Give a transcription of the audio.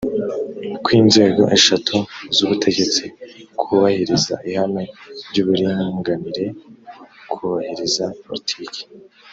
kw inzego eshatu z ubutegetsi kubahiriza ihame ry uburinganire kubahiriza politiki